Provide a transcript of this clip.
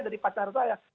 dari pacar saya